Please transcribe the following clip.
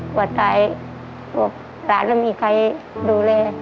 หัวใจพวกหลานไม่มีใครดูเล